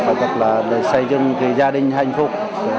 và được xây dựng gia đình hạnh phúc